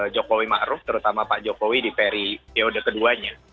jokowi ma'ruf terutama pak jokowi di peri yaudah keduanya